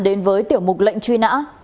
đến với tiểu mục lệnh truy nã